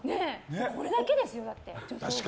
これだけですよ、助走が。